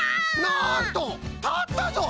なんとたったぞい！